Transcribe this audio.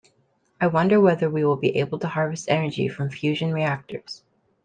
I wonder whether we will be able to harvest energy from fusion reactors.